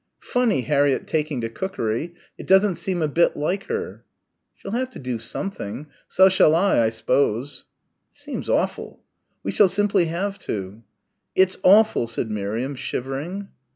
"Funny Harriett taking to cookery. It doesn't seem a bit like her." "She'll have to do something so shall I, I s'pose." "It seems awful." "We shall simply have to." "It's awful," said Miriam, shivering.